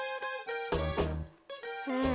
うん。